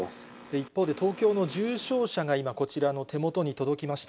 一方で、東京の重症者が今、こちらの手元に届きました。